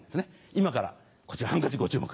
今からこちらハンカチご注目。